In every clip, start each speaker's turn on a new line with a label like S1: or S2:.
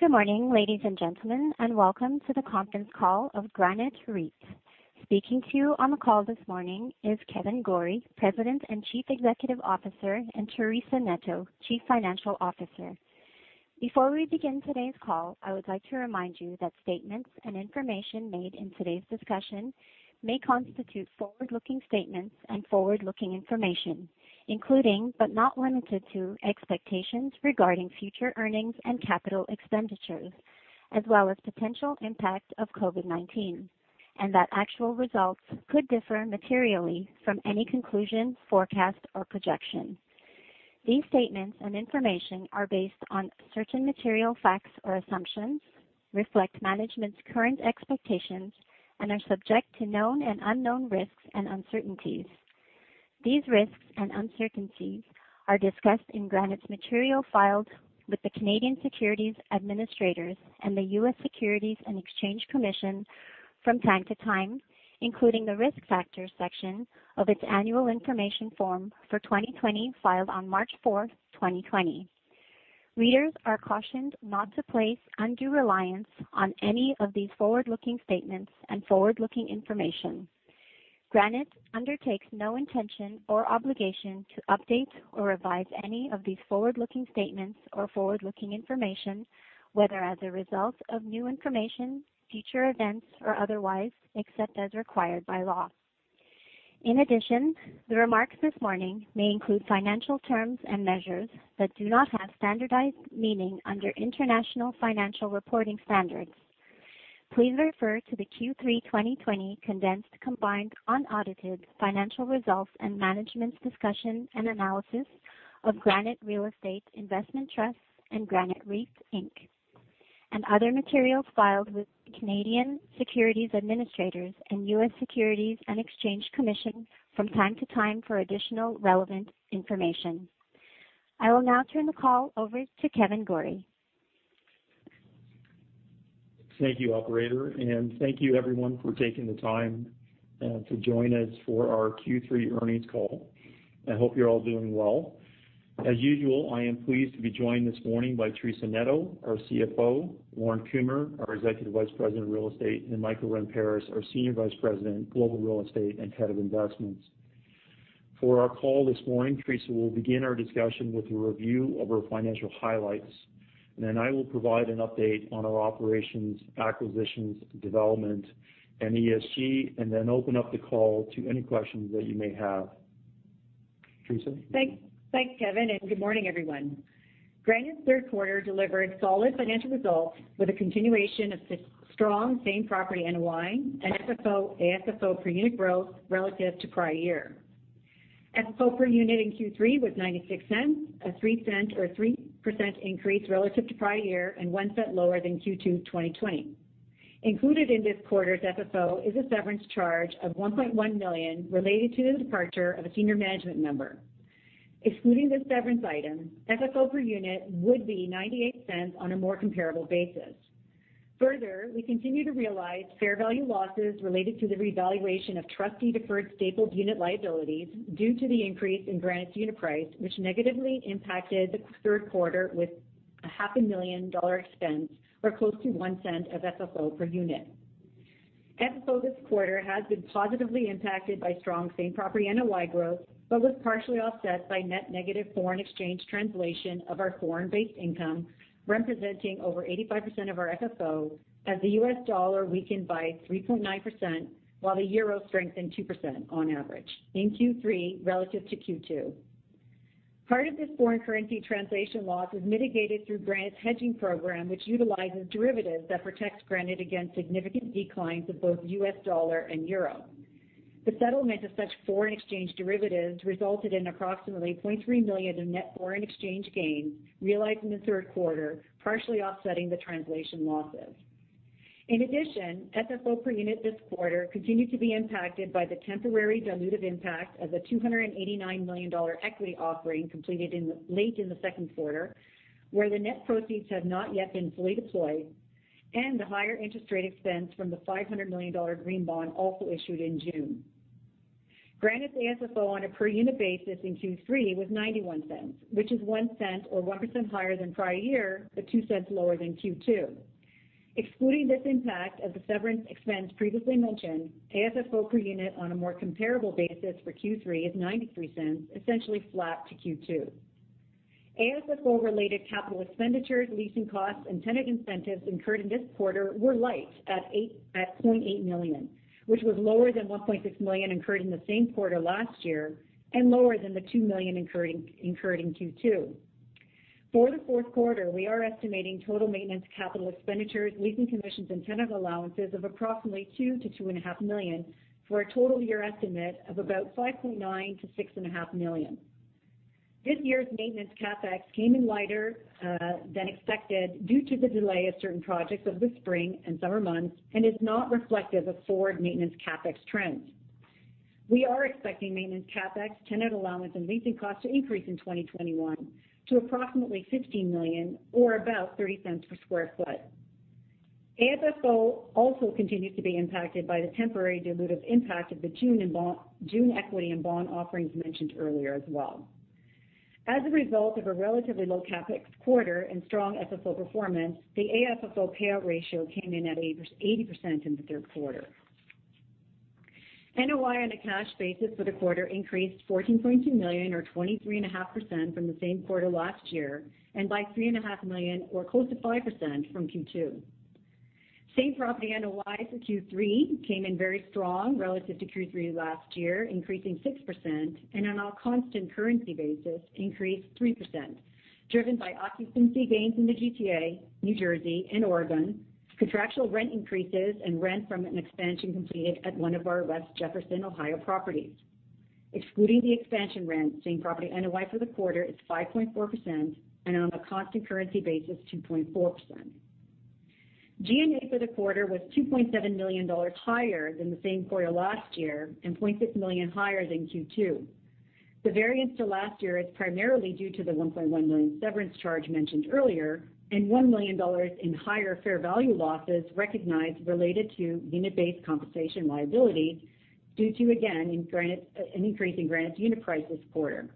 S1: Good morning, ladies and gentlemen, welcome to the conference call of Granite REIT. Speaking to you on the call this morning is Kevan Gorrie, President and Chief Executive Officer, and Teresa Neto, Chief Financial Officer. Before we begin today's call, I would like to remind you that statements and information made in today's discussion may constitute forward-looking statements and forward-looking information, including, but not limited to, expectations regarding future earnings and capital expenditures, as well as potential impact of COVID-19, and that actual results could differ materially from any conclusion, forecast, or projection. These statements and information are based on certain material facts or assumptions, reflect management's current expectations, are subject to known and unknown risks and uncertainties. These risks and uncertainties are discussed in Granite's material filed with the Canadian Securities Administrators and the U.S. Securities and Exchange Commission from time-to-time, including the Risk Factors section of its annual information form for 2020, filed on March 4, 2020. Readers are cautioned not to place undue reliance on any of these forward-looking statements and forward-looking information. Granite undertakes no intention or obligation to update or revise any of these forward-looking statements or forward-looking information, whether as a result of new information, future events, or otherwise, except as required by law. In addition, the remarks this morning may include financial terms and measures that do not have standardized meaning under International Financial Reporting Standards. Please refer to the Q3 2020 condensed combined unaudited financial results and management's discussion and analysis of Granite Real Estate Investment Trust and Granite REIT Inc, and other materials filed with Canadian securities administrators and U.S. Securities and Exchange Commission from time to time for additional relevant information. I will now turn the call over to Kevan Gorrie.
S2: Thank you, operator. Thank you, everyone, for taking the time to join us for our Q3 earnings call. I hope you're all doing well. As usual, I am pleased to be joined this morning by Teresa Neto, our CFO, Lorne Kumer, our Executive Vice President of Real Estate, and Michael Ramparas, our Senior Vice President, Global Real Estate and Head of Investments. For our call this morning, Teresa will begin our discussion with a review of our financial highlights. Then, I will provide an update on our operations, acquisitions, development, and ESG. Then, open up the call to any questions that you may have. Teresa?
S3: Thanks, Kevan, good morning, everyone. Granite's third quarter delivered solid financial results with a continuation of strong same property NOI and FFO, AFFO per unit growth relative to prior year. FFO per unit in Q3 was 0.96, a 0.03 or 3% increase relative to prior year and 0.01 lower than Q2 2020. Included in this quarter's FFO is a severance charge of 1.1 million related to the departure of a senior management member. Excluding this severance item, FFO per unit would be 0.98 on a more comparable basis. Further, we continue to realize fair value losses related to the revaluation of trustee deferred stapled unit liabilities due to the increase in Granite's unit price, which negatively impacted the third quarter with a half a million CAD expense or close to 0.01 of FFO per unit. FFO this quarter has been positively impacted by strong same property NOI growth but was partially offset by net negative foreign exchange translation of our foreign-based income, representing over 85% of our FFO as the U.S. dollar weakened by 3.9% while the euro strengthened 2% on average in Q3 relative to Q2. Part of this foreign currency translation loss was mitigated through Granite's hedging program, which utilizes derivatives that protects Granite against significant declines of both U.S. dollar and euro. The settlement of such foreign exchange derivatives resulted in approximately 0.3 million in net foreign exchange gains realized in the third quarter, partially offsetting the translation losses. In addition, FFO per unit this quarter continued to be impacted by the temporary dilutive impact of the 289 million dollar equity offering completed late in the second quarter, where the net proceeds have not yet been fully deployed, and the higher interest rate expense from the 500 million dollar green bond also issued in June. Granite's AFFO on a per unit basis in Q3 was 0.91, which is 0.01 or 1% higher than prior year, but 0.02 lower than Q2. Excluding this impact of the severance expense previously mentioned, AFFO per unit on a more comparable basis for Q3 is 0.93, essentially flat to Q2. AFFO-related capital expenditures, leasing costs, and tenant incentives incurred in this quarter were light at 0.8 million, which was lower than 1.6 million incurred in the same quarter last year and lower than the 2 million incurred in Q2. For the fourth quarter, we are estimating total maintenance, capital expenditures, leasing commissions, and tenant allowances of approximately 2 million-2.5 million for a total year estimate of about 5.9 million-6.5 million. This year's maintenance CapEx came in lighter than expected due to the delay of certain projects of the spring and summer months and is not reflective of forward maintenance CapEx trends. We are expecting maintenance CapEx, tenant allowance, and leasing costs to increase in 2021 to approximately 15 million or about 0.30 per sq ft. AFFO also continues to be impacted by the temporary dilutive impact of the June equity and bond offerings mentioned earlier as well. As a result of a relatively low CapEx quarter and strong FFO performance, the AFFO payout ratio came in at 80% in the third quarter. NOI on a cash basis for the quarter increased to 14.2 million or 23.5% from the same quarter last year, and by 3.5 million or close to 5% from Q2. Same property NOI for Q3 came in very strong relative to Q3 last year, increasing 6%, and on a constant currency basis, increased 3%, driven by occupancy gains in the GTA, New Jersey, and Oregon, contractual rent increases, and rent from an expansion completed at one of our West Jefferson, Ohio properties. Excluding the expansion rent, same property NOI for the quarter is 5.4%, and on a constant currency basis, 2.4%. G&A for the quarter was 2.7 million dollars higher than the same quarter last year and 0.6 million higher than Q2. The variance to last year is primarily due to the 1.1 million severance charge mentioned earlier and 1 million dollars in higher fair value losses recognized related to unit-based compensation liabilities due to, again, an increase in Granite's unit price this quarter.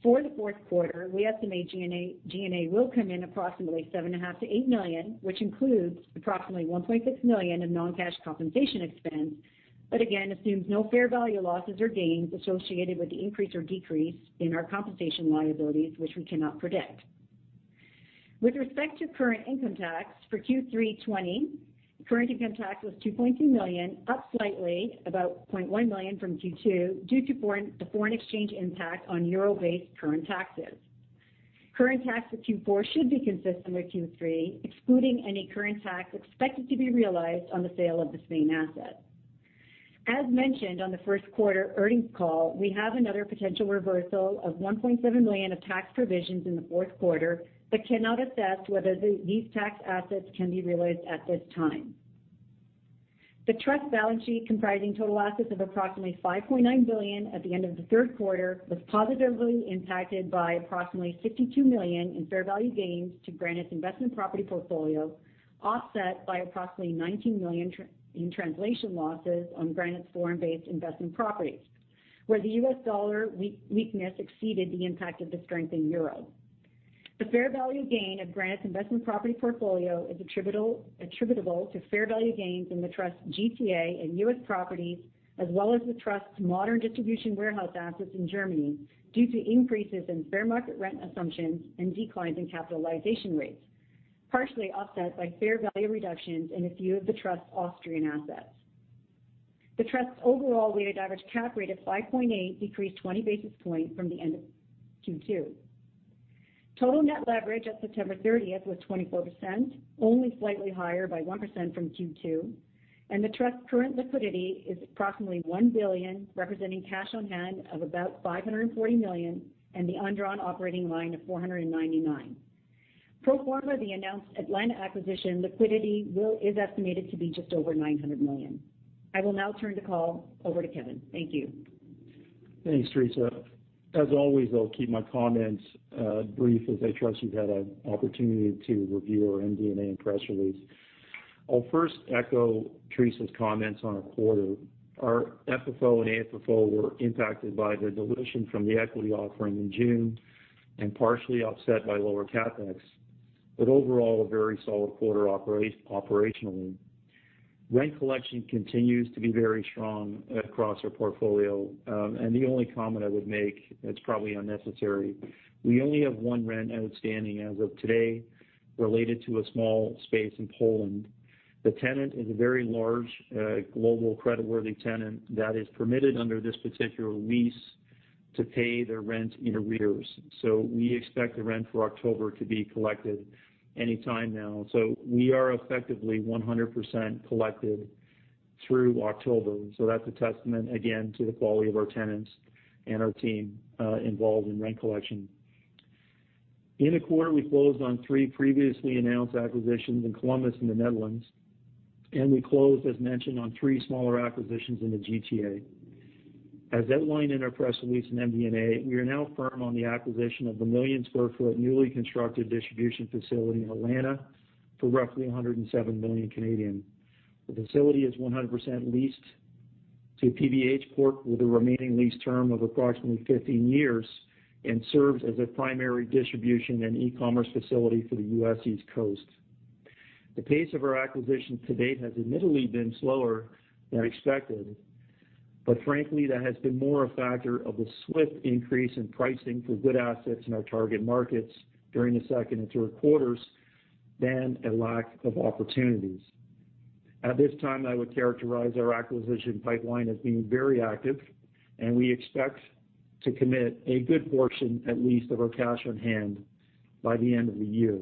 S3: For the fourth quarter, we estimate G&A will come in approximately 7.5 million-8 million, which includes approximately 1.6 million of non-cash compensation expense, but again assumes no fair value losses or gains associated with the increase or decrease in our compensation liabilities, which we cannot predict. With respect to current income tax, for Q3 2020, current income tax was 2.2 million, up slightly about 0.1 million from Q2 due to the foreign exchange impact on euro-based current taxes. Current tax for Q4 should be consistent with Q3, excluding any current tax expected to be realized on the sale of the Spain asset. As mentioned on the first quarter earnings call, we have another potential reversal of 1.7 million of tax provisions in the fourth quarter but cannot assess whether these tax assets can be realized at this time. The Trust balance sheet, comprising total assets of approximately 5.9 billion at the end of the third quarter, was positively impacted by approximately 52 million in fair value gains to Granite's investment property portfolio, offset by approximately 19 million in translation losses on Granite's foreign-based investment properties, where the U.S. dollar weakness exceeded the impact of the strength in the euro. The fair value gain of Granite's investment property portfolio is attributable to fair value gains in the trust's GTA and U.S. properties, as well as the trust's modern distribution warehouse assets in Germany due to increases in fair market rent assumptions and declines in capitalization rates, partially offset by fair value reductions in a few of the trust's Austrian assets. The trust's overall weighted average cap rate of 5.8% decreased 20 basis points from the end of Q2. Total net leverage at September 30th was 24%, only slightly higher by 1% from Q2, and the trust's current liquidity is approximately 1 billion, representing cash on hand of about 540 million and the undrawn operating line of 499. Pro forma the announced Atlanta acquisition, liquidity is estimated to be just over 900 million. I will now turn the call over to Kevan. Thank you.
S2: Thanks, Teresa. As always, I'll keep my comments brief as I trust you've had an opportunity to review our MD&A and press release. I'll first echo Teresa's comments on our quarter. Our FFO and AFFO were impacted by the dilution from the equity offering in June and partially offset by lower CapEx. Overall, a very solid quarter operationally. Rent collection continues to be very strong across our portfolio. The only comment I would make, it's probably unnecessary, we only have one rent outstanding as of today related to a small space in Poland. The tenant is a very large, global creditworthy tenant that is permitted under this particular lease to pay their rent in arrears. So, we expect the rent for October to be collected any time now. We are effectively 100% collected through October. That's a testament, again, to the quality of our tenants and our team involved in rent collection. In the quarter, we closed on three previously announced acquisitions in Columbus and the Netherlands, and we closed, as mentioned, on three smaller acquisitions in the GTA. As outlined in our press release and MD&A, we are now firm on the acquisition of the 1 million square foot newly constructed distribution facility in Atlanta for roughly 107 million. The facility is 100% leased to PVH Corp with a remaining lease term of approximately 15 years and serves as a primary distribution and e-commerce facility for the U.S. East Coast. The pace of our acquisitions to date has admittedly been slower than expected, but frankly, that has been more a factor of the swift increase in pricing for good assets in our target markets during the second and third quarters than a lack of opportunities. At this time, I would characterize our acquisition pipeline as being very active, and we expect to commit a good portion at least of our cash on hand by the end of the year.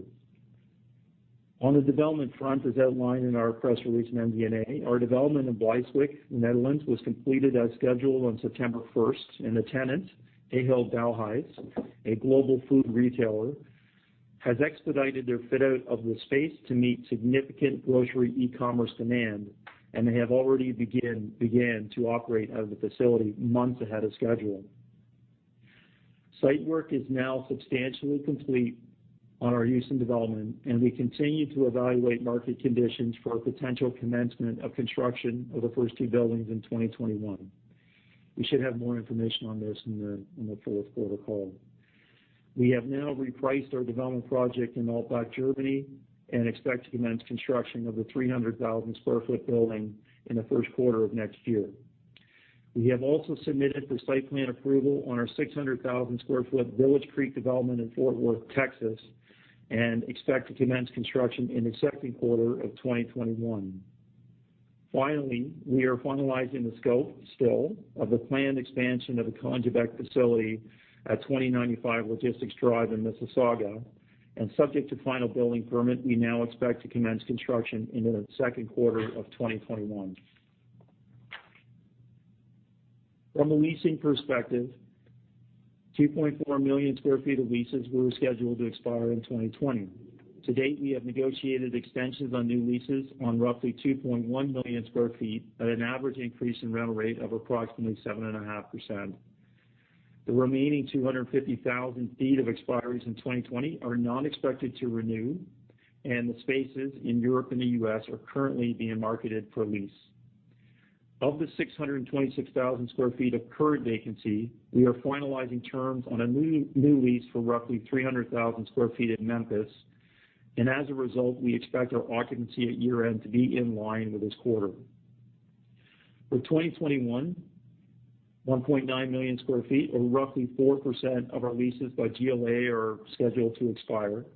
S2: On the development front, as outlined in our press release and MD&A, our development in Bleiswijk, Netherlands, was completed as scheduled on September 1st, and the tenant, Ahold Delhaize, a global food retailer, has expedited their fit-out of the space to meet significant grocery e-commerce demand, and they have already begun to operate out of the facility months ahead of schedule. Site work is now substantially complete on our Houston development, and we continue to evaluate market conditions for potential commencement of construction of the first two buildings in 2021. We should have more information on this in the fourth quarter call. We have now repriced our development project in Altbach, Germany, and expect to commence construction of the 300,000 sq ft building in the first quarter of next year. We have also submitted for site plan approval on our 600,000 sq ft Village Creek development in Fort Worth, Texas, and expect to commence construction in the second quarter of 2021. Finally, we are finalizing the scope still of the planned expansion of the Congebec facility at 2095 Logistics Drive in Mississauga, and subject to final building permit, we now expect to commence construction into the second quarter of 2021. From a leasing perspective, 2.4 million square feet of leases were scheduled to expire in 2020. To date, we have negotiated extensions on new leases on roughly 2.1 million square feet at an average increase in rental rate of approximately 7.5%. The remaining 250,000 ft of expiries in 2020 are not expected to renew, and the spaces in Europe and the U.S. are currently being marketed for lease. Of the 626,000 sq ft of current vacancy, we are finalizing terms on a new lease for roughly 300,000 sq ft in Memphis, and as a result, we expect our occupancy at year-end to be in line with this quarter. For 2021, 1.9 million square feet or roughly 4% of our leases by GLA are scheduled to expire,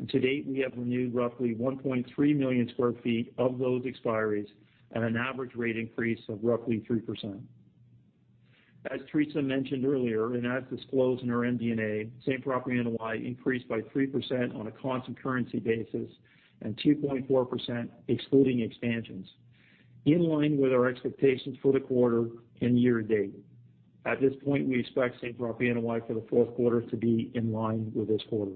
S2: and to date, we have renewed roughly 1.3 million square feet of those expiries at an average rate increase of roughly 3%. As Teresa mentioned earlier, and as disclosed in our MD&A, same property NOI increased by 3% on a constant currency basis and 2.4% excluding expansions, in line with our expectations for the quarter and year-to-date. At this point, we expect same property NOI for the fourth quarter to be in line with this quarter.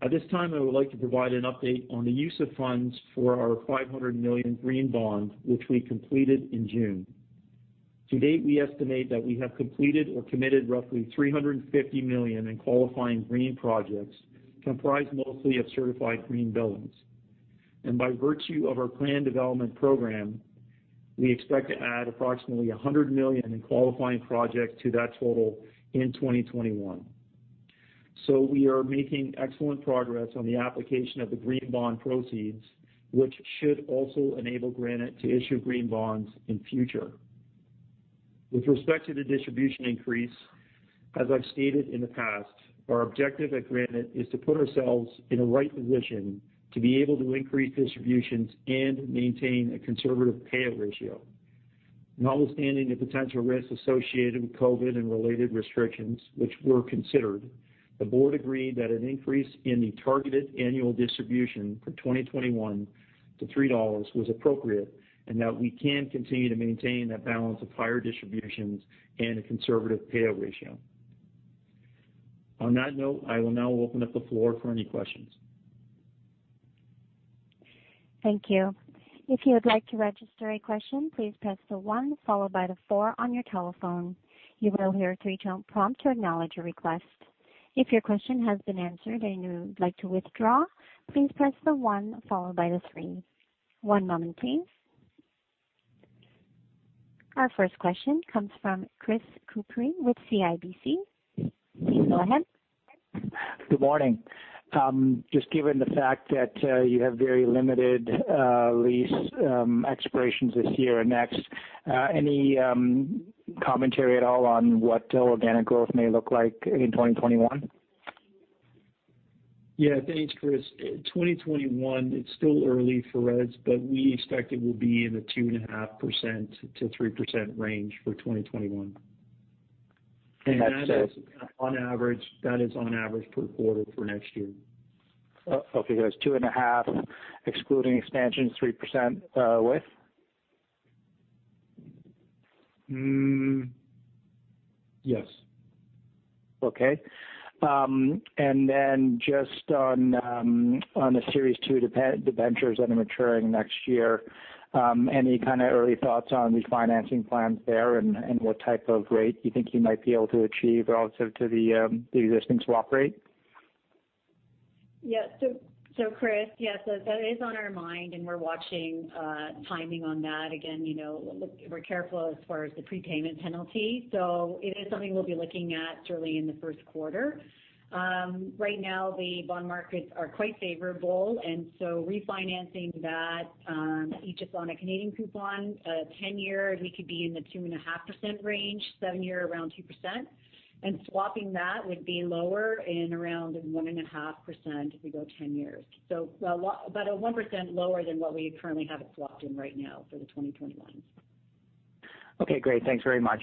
S2: At this time, I would like to provide an update on the use of funds for our 500 million green bond, which we completed in June. To date, we estimate that we have completed or committed roughly 350 million in qualifying green projects, comprised mostly of certified green buildings. By virtue of our planned development program, we expect to add approximately 100 million in qualifying projects to that total in 2021. So, we are making excellent progress on the application of the green bond proceeds, which should also enable Granite to issue green bonds in future. With respect to the distribution increase, as I've stated in the past, our objective at Granite is to put ourselves in a right position to be able to increase distributions and maintain a conservative payout ratio. Notwithstanding the potential risks associated with COVID and related restrictions, which were considered, the board agreed that an increase in the targeted annual distribution for 2021 to 3 dollars was appropriate, and that we can continue to maintain that balance of higher distributions and a conservative payout ratio. On that note, I will now open up the floor for any questions.
S1: Thank you. If you'd like to register a question, please press the one followed by the four on you telephone. You will hear three, prompt to acknowledge your request. If your question has been answered and you'd like to withdraw things, press the one followed by three. One moment. Our first question comes from Chris Couprie with CIBC. Please go ahead.
S4: Good morning. Just given the fact that you have very limited lease expirations this year and next, any commentary at all on what organic growth may look like in 2021?
S2: Yes. Thanks, Chris. A 2021, it's still early for rents, but we expect it will be in the 2.5%-3% range for 2021.
S4: And that's—
S2: On average. That is on average per quarter for next year.
S4: Okay. That's 2.5% excluding expansions, 3% with?
S2: Mmm. Yes.
S4: Okay. Just on the Series 2 debentures that are maturing next year, any kind of early thoughts on refinancing plans there and what type of rate you think you might be able to achieve relative to the existing swap rate?
S3: Chris, yes, that is on our mind, and we're watching timing on that. Again, you know, we're careful as far as the prepayment penalty. It is something we'll be looking at early in the first quarter. Right now, the bond markets are quite favorable, refinancing that, each is on a Canadian coupon. A 10-year, we could be in the 2.5% range, seven-year around 2%. Swapping that would be lower in around 1.5% if we go 10 years. About a 1% lower than what we currently have it swapped in right now for the 2021.
S4: Okay, great. Thanks very much.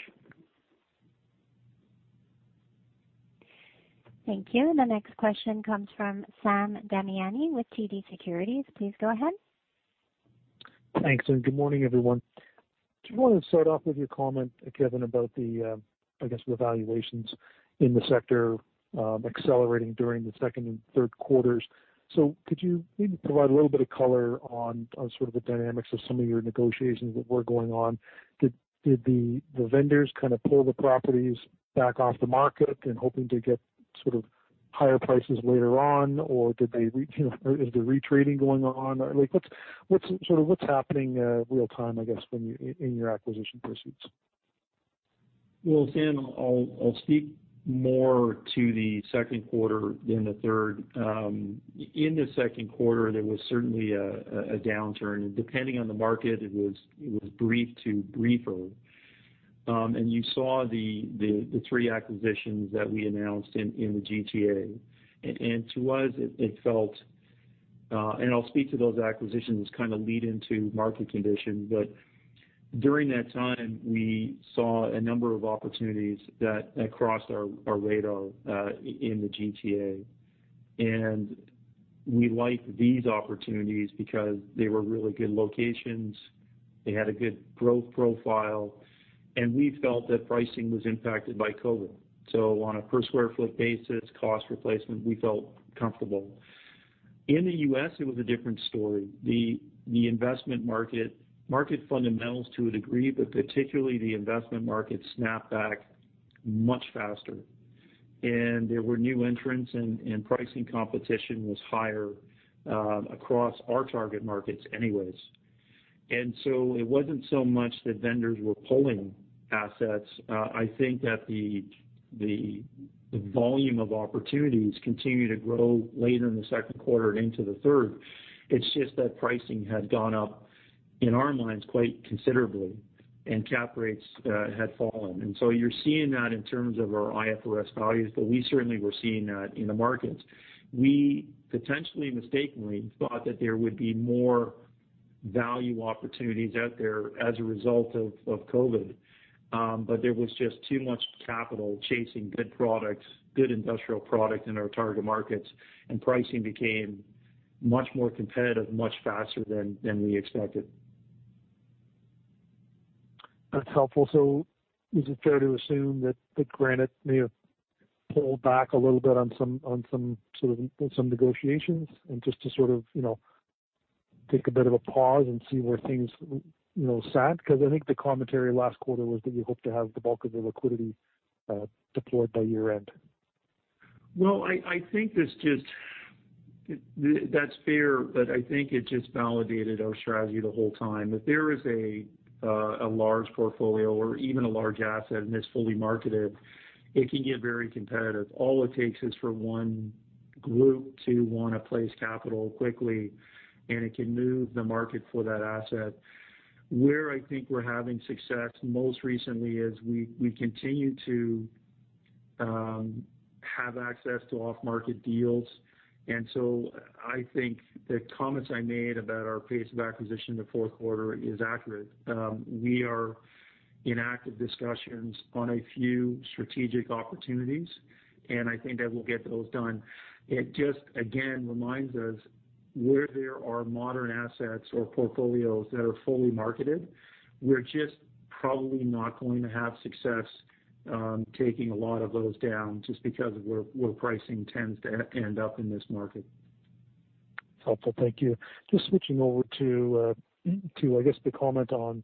S1: Thank you. The next question comes from Sam Damiani with TD Securities. Please go ahead.
S5: Thanks, good morning, everyone. Do you want to start off with your comment, Kevan, about the valuations in the sector accelerating during the second and third quarters. Could you maybe provide a little bit of color on sort of the dynamics of some of your negotiations that were going on? Did the vendors kind of pull the properties back off the market in hoping to get sort of higher prices later on? Is there re-trading going on? What's happening real time, I guess, in your acquisition pursuits?
S2: Well, Sam, I'll speak more to the second quarter than the third. In the second quarter, there was certainly a downturn. Depending on the market, it was brief to briefer. You saw the three acquisitions that we announced in the GTA. To us, I'll speak to those acquisitions kind of lead into market condition, but during that time, we saw a number of opportunities that crossed our radar in the GTA. We liked these opportunities because they were really good locations. They had a good growth profile. And we felt that pricing was impacted by COVID. On a per square foot basis, cost replacement, we felt comfortable. In the U.S., it was a different story. The investment market fundamentals to a degree, particularly the investment market snapped back much faster. There were new entrants and pricing competition was higher across our target markets anyways. It wasn't so much that vendors were pulling assets. I think that the volume of opportunities continued to grow later in the second quarter and into the third. It's just that pricing had gone up, in our minds, quite considerably, and cap rates had fallen. You're seeing that in terms of our IFRS values, but we certainly were seeing that in the markets. We potentially mistakenly thought that there would be more value opportunities out there as a result of COVID. There was just too much capital chasing good products, good industrial product in our target markets, and pricing became much more competitive much faster than we expected.
S5: That's helpful. Is it fair to assume that Granite may have pulled back a little bit on some negotiations and just to sort of take a bit of a pause and see where things sat? I think the commentary last quarter was that you hope to have the bulk of the liquidity deployed by year-end.
S2: Well, I think that's fair, but I think it just validated our strategy the whole time. If there is a large portfolio or even a large asset and it's fully marketed, it can get very competitive. All it takes is for one group to want to place capital quickly, and it can move the market for that asset. Where I think we're having success most recently is we continue to have access to off-market deals. I think the comments I made about our pace of acquisition in the fourth quarter is accurate. We are in active discussions on a few strategic opportunities, and I think that we'll get those done. It just, again, reminds us where there are modern assets or portfolios that are fully marketed, we're just probably not going to have success taking a lot of those down just because of where pricing tends to end up in this market.
S5: Helpful. Thank you. Just switching over to, I guess, the comment on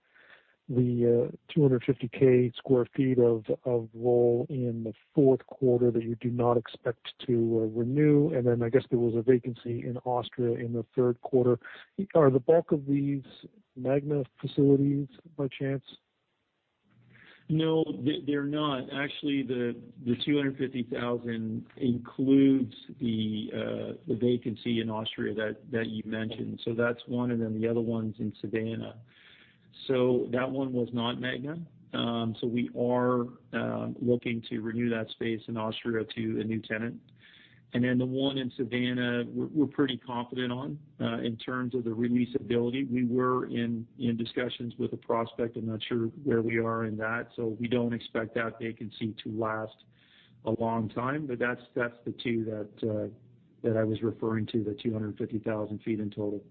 S5: the 250,000 sq ft of roll in the fourth quarter that you do not expect to renew. I guess there was a vacancy in Austria in the third quarter. Are the bulk of these Magna facilities by chance?
S2: No, they're not. Actually, the 250,000 sq ft includes the vacancy in Austria that you mentioned. That's one, and then the other one's in Savannah. That one was not Magna. We are looking to renew that space in Austria to a new tenant. The one in Savannah, we're pretty confident on in terms of the re-lease ability. We were in discussions with a prospect. I'm not sure where we are in that. We don't expect that vacancy to last a long time. That's the two that I was referring to, the 250,000 sq ft in total.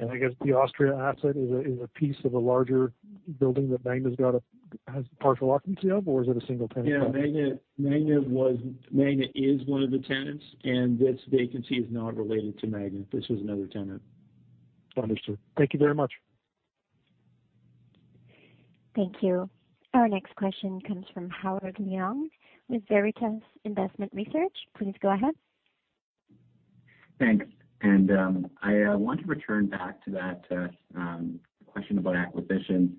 S5: I guess the Austria asset is a piece of a larger building that Magna's got a partial occupancy of? Or is it a single tenant?
S2: Yeah. Magna is one of the tenants, and this vacancy is not related to Magna. This was another tenant.
S5: Understood. Thank you very much.
S1: Thank you. Our next question comes from Howard Leung with Veritas Investment Research. Please go ahead.
S6: Thanks. I want to return back to that question about acquisitions.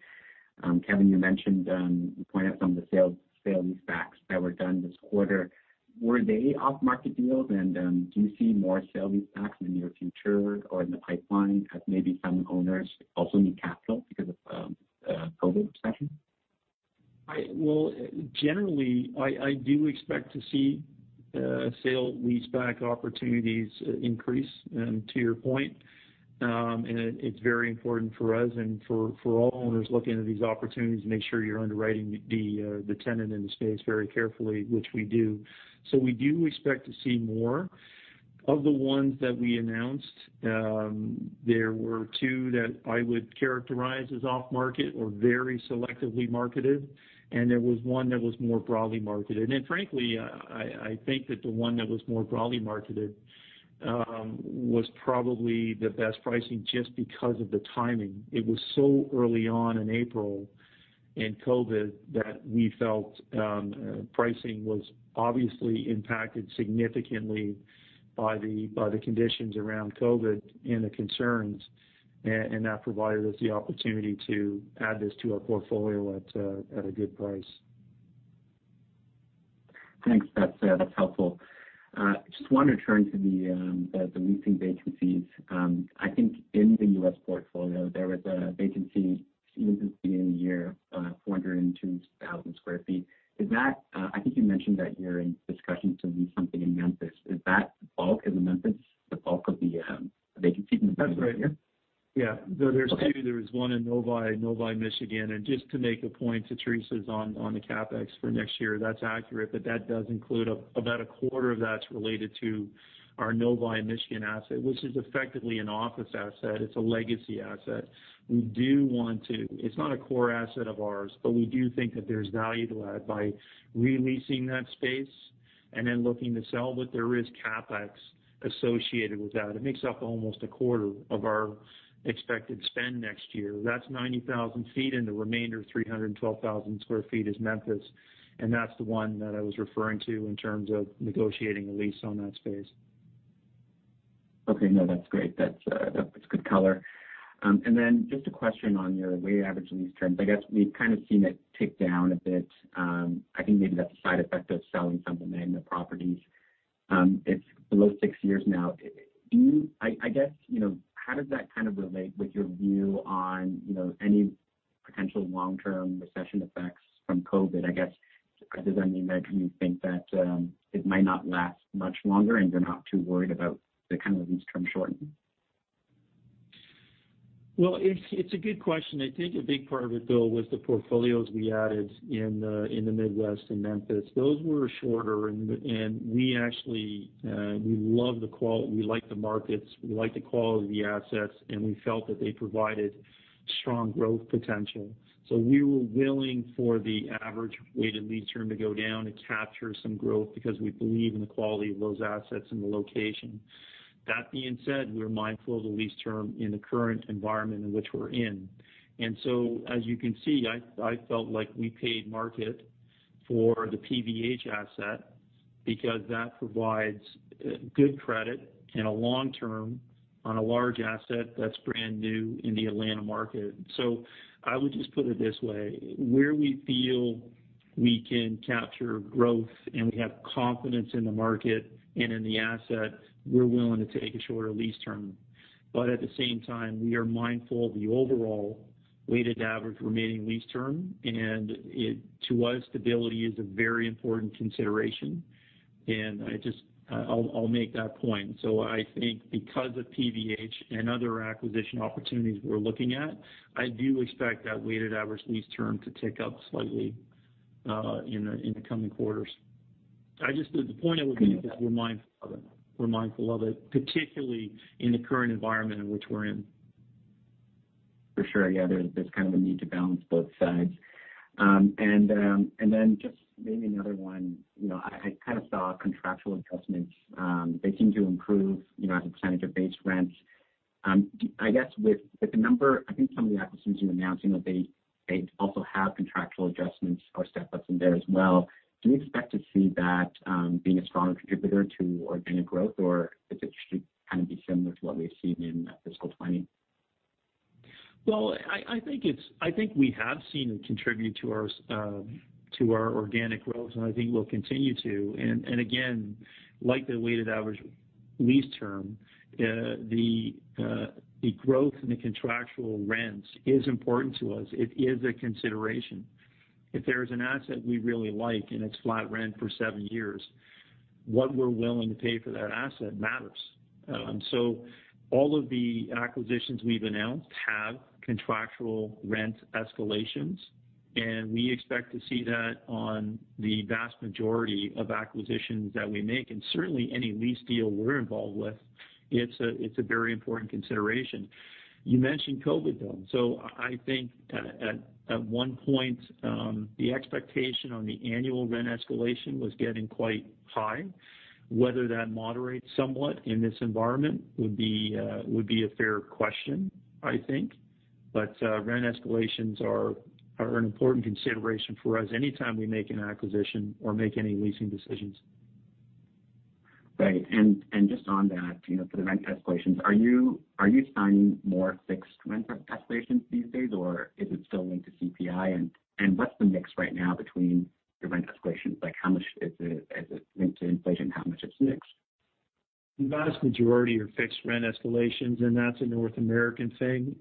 S6: Kevan, you mentioned, you point out some of the sale-leasebacks that were done this quarter. Were they off-market deals? Do you see more sale-leasebacks in the near future or in the pipeline as maybe some owners also need capital because of COVID recession?
S2: Well, generally, I do expect to see sale-leaseback opportunities increase to your point. It is very important for us and for all owners looking at these opportunities to make sure you're underwriting the tenant in the space very carefully, which we do. We do expect to see more. Of the ones that we announced, there were two that I would characterize as off-market or very selectively marketed, and there was one that was more broadly marketed. Frankly, I think that the one that was more broadly marketed was probably the best pricing just because of the timing. It was so early on in April in COVID that we felt pricing was obviously impacted significantly by the conditions around COVID and the concerns. That provided us the opportunity to add this to our portfolio at a good price.
S6: Thanks. That's helpful. Just want to turn to the leasing vacancies. I think in the U.S. portfolio, there was a vacancy in the year, 402,000 square feet. I think you mentioned that you're in discussions to lease something in Memphis. Is the Memphis the bulk of the vacancy in the year?
S2: That's right. There's two. There is one in Novi, Michigan. Just to make a point to Teresa's on the CapEx for next year, that's accurate, but that does include about a quarter of that's related to our Novi, Michigan asset, which is effectively an office asset. It's a legacy asset. It's not a core asset of ours, but we do think that there's value to be had by re-leasing that space and then looking to sell, but there is CapEx associated with that. It makes up almost a quarter of our expected spend next year. That's 90,000 ft and the remainder 312,000 sq ft is Memphis, and that's the one that I was referring to in terms of negotiating a lease on that space.
S6: Okay. No, that's great. That's good color. Just a question on your weighted average lease terms. I guess we've kind of seen it tick down a bit. I think maybe that's a side effect of selling some of the Magna properties. It's below six years now. You know, how does that kind of relate with your view on any potential long-term recession effects from COVID? I guess, does that mean that you think that it might not last much longer, and you're not too worried about the kind of lease term shortening?
S2: Well, it's a good question. I think a big part of it, Bill, was the portfolios we added in the Midwest, in Memphis. Those were shorter, and we liked the markets, we liked the quality of the assets, and we felt that they provided strong growth potential. We were willing for the average weighted lease term to go down to capture some growth because we believe in the quality of those assets and the location. That being said, we're mindful of the lease term in the current environment in which we're in. As you can see, I felt like we paid market for the PVH asset because that provides good credit and a long term on a large asset that's brand new in the Atlanta market. I would just put it this way, where we feel we can capture growth and we have confidence in the market and in the asset, we're willing to take a shorter lease term. At the same time, we are mindful of the overall weighted average remaining lease term, and to us, stability is a very important consideration. I'll make that point. I think because of PVH and other acquisition opportunities we're looking at, I do expect that weighted average lease term to tick up slightly in the coming quarters. The point I would make is we're mindful of it, particularly in the current environment in which we're in.
S6: For sure. Yeah. There's kind of a need to balance both sides. Just maybe another one. I kind of saw contractual adjustments. They seem to improve as a percentage of base rents. I guess with the number, I think some of the acquisitions you're announcing that they also have contractual adjustments or step-ups in there as well. Do you expect to see that being a stronger contributor to organic growth, or is it just kind of be similar to what we've seen in fiscal 2020?
S2: Well, I think we have seen it contribute to our organic growth, and I think we'll continue to. Again, like the weighted average lease term, the growth in the contractual rents is important to us. It is a consideration. If there is an asset we really like and it's flat rent for seven years, what we're willing to pay for that asset matters. All of the acquisitions we've announced have contractual rent escalations, and we expect to see that on the vast majority of acquisitions that we make, and certainly any lease deal we're involved with, it's a very important consideration. You mentioned COVID hit. I think at one point, the expectation on the annual rent escalation was getting quite high. Whether that moderates somewhat in this environment would be a fair question, I think. But rent escalations are an important consideration for us anytime we make an acquisition or make any leasing decisions.
S6: Right. Just on that, the rent escalations, are you signing more fixed rent escalations these days, or is it still linked to CPI? What's the mix right now between the rent escalations? How much is it linked to inflation? How much is fixed?
S2: The vast majority are fixed rent escalations, and that's a North American thing.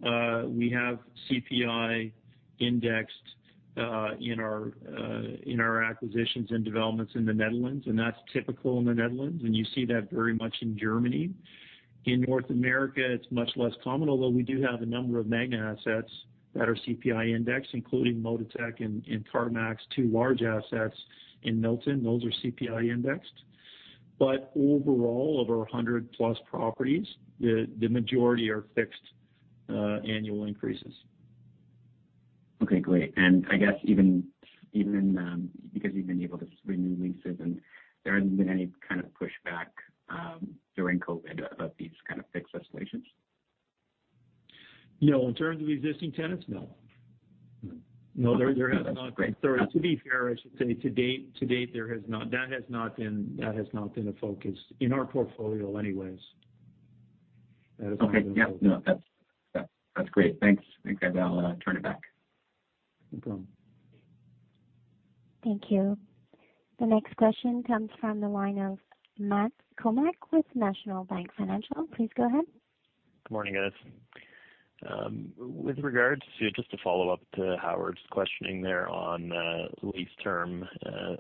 S2: We have CPI indexed in our acquisitions and developments in the Netherlands, and that's typical in the Netherlands, and you see that very much in Germany. In North America, it's much less common, although we do have a number of Magna assets that are CPI indexed, including Modatek and Karmax, two large assets in Milton. Those are CPI indexed. Overall, of our 100+ properties, the majority are fixed annual increases.
S6: Okay, great. I guess because you've been able to renew leases, there hasn't been any kind of pushback during COVID about these kind of fixed escalations?
S2: No. In terms of existing tenants, no.
S6: Okay. That's great.
S2: To be fair, I should say to date, that has not been a focus, in our portfolio anyways.
S6: Okay. Yeah, no, that's great. Thanks. I think I'll turn it back.
S2: No problem.
S1: Thank you. The next question comes from the line of Matt Kornack with National Bank Financial. Please go ahead.
S7: Good morning, guys. Just a follow-up to Howard's questioning there on lease term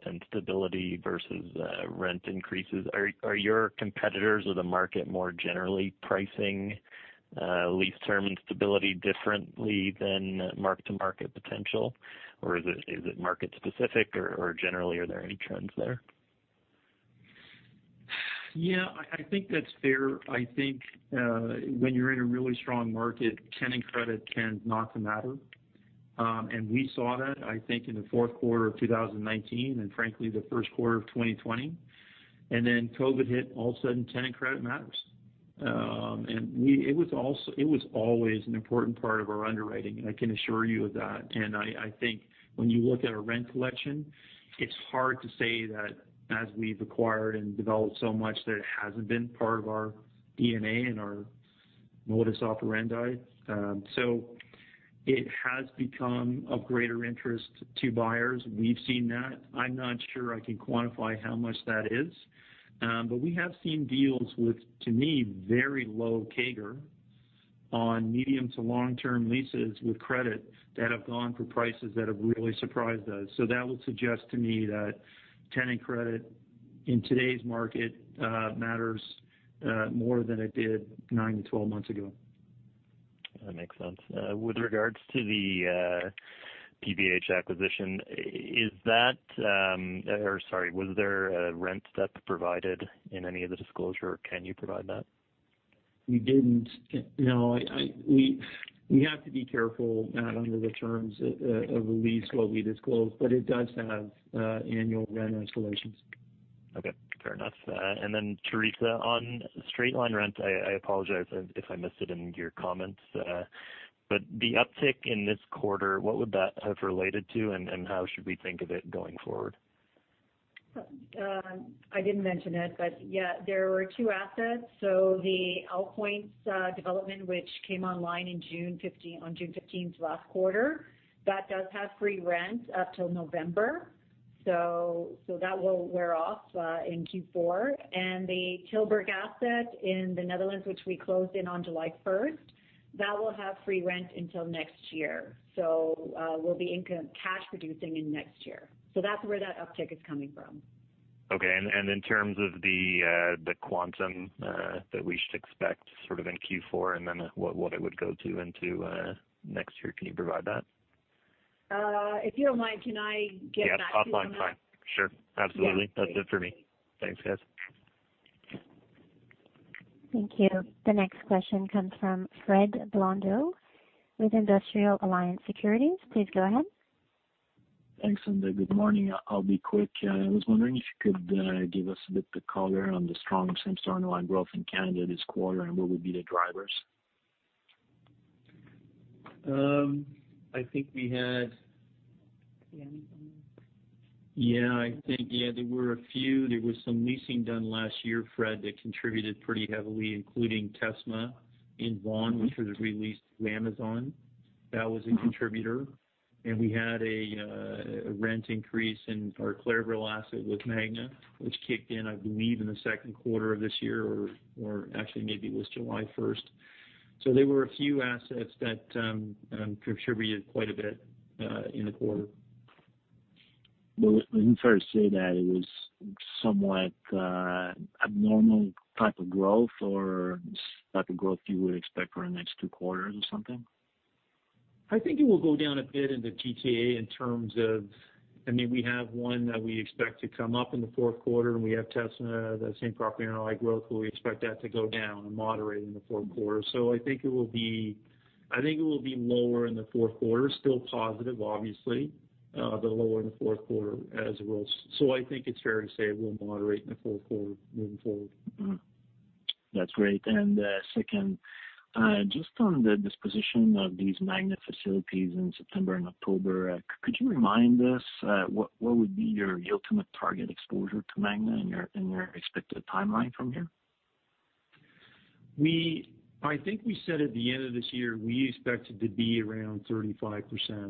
S7: and stability versus rent increases, are your competitors or the market more generally pricing lease term and stability differently than mark-to-market potential? Is it market specific or generally, are there any trends there?
S2: Yeah, I think that's fair. I think, when you're in a really strong market, tenant credit tends not to matter. We saw that, I think, in the fourth quarter of 2019, and frankly, the first quarter of 2020. COVID hit, all of a sudden, tenant credit matters. It was always an important part of our underwriting, and I can assure you of that. I think when you look at our rent collection, it's hard to say that as we've acquired and developed so much that it hasn't been part of our DNA and our modus operandi. It has become of greater interest to buyers. We've seen that. I'm not sure I can quantify how much that is. We have seen deals with, to me, very low CAGR on medium to long-term leases with credit that have gone for prices that have really surprised us. That would suggest to me that tenant credit in today's market matters more than it did 9-12 months ago.
S7: That makes sense. With regards to the PVH acquisition, was there a rent step provided in any of the disclosure? Can you provide that?
S2: We didn't. No. We have to be careful, Matt, under the terms of the lease, what we disclose, but it does have annual rent escalations.
S7: Okay. Fair enough. Teresa, on straight-line rent, I apologize if I missed it in your comments. The uptick in this quarter, what would that have related to, and how should we think of it going forward?
S3: I didn't mention it, yeah, there were two assets. The Old Pointe development, which came online on June 15th, last quarter. That does have free rent up till November. That will wear off in Q4. The Tilburg asset in the Netherlands, which we closed in on July 1st, that will have free rent until next year. We'll be cash producing in next year. That's where that uptick is coming from.
S7: Okay. In terms of the quantum that we should expect sort of in Q4 and then what it would go to into next year, can you provide that?
S3: If you don't mind, can I get back to you on that?
S7: Yeah. Offline's fine. Sure. Absolutely.
S3: Yeah. Great.
S7: That's it for me. Thanks, guys.
S1: Thank you. The next question comes from Fred Blondeau with Investment Alliance Securities. Please go ahead.
S8: Thanks, and good morning. I'll be quick. I was wondering if you could give us a bit of color on the strong same store NOI growth in Canada this quarter. What would be the drivers?
S2: I think we had.
S3: Yeah.
S2: Yeah, there were a few. There was some leasing done last year, Fred, that contributed pretty heavily, including Tesma in Vaughan, which was re-leased to Amazon. That was a contributor. We had a rent increase in our Claireville asset with Magna, which kicked in, I believe, in the second quarter of this year or actually maybe it was July 1st. There were a few assets that contributed quite a bit in the quarter.
S8: Well, is it fair to say that it was somewhat abnormal type of growth, or type of growth you would expect for the next two quarters or something?
S2: I think it will go down a bit in the GTA in terms of, I mean, we have one that we expect to come up in the fourth quarter, and we have Tesma, the same property NOI growth where we expect that to go down and moderate in the fourth quarter. I think it will be lower in the fourth quarter. Still positive, obviously. Lower in the fourth quarter as well. I think it's fair to say it will moderate in the fourth quarter moving forward.
S8: That's great. Second, just on the disposition of these Magna facilities in September and October, could you remind us what would be your ultimate target exposure to Magna and your expected timeline from here?
S2: I think we said at the end of this year, we expected to be around 35%